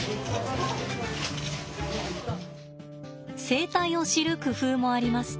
生態を知る工夫もあります。